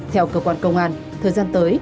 theo cơ quan công an thời gian tới